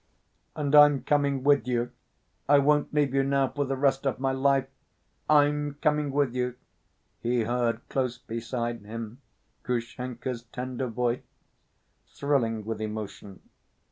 "And I'm coming with you. I won't leave you now for the rest of my life, I'm coming with you," he heard close beside him Grushenka's tender voice, thrilling with emotion.